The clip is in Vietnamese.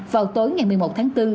vào tối ngày một mươi một tháng bốn